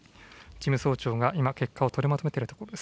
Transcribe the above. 事務総長が今、結果を取りまとめているところです。